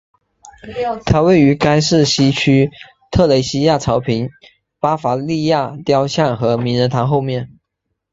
它位于该市西区特蕾西娅草坪巴伐利亚雕像和名人堂后面。